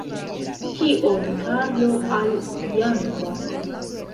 Kion Karlo al Janko?